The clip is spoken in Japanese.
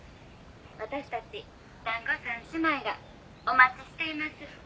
「私たち団子三姉妹がお待ちしています」